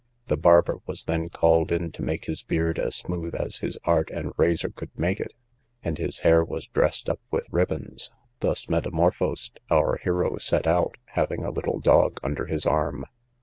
The barber was then called in to make his beard as smooth as his art and razor could make it, and his hair was dressed up with ribbons; thus metamorphosed, our hero set out, having a little dog under his arm.